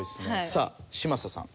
さあ嶋佐さん。